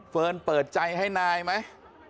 เฟิร์นเปิดใจให้นายไหม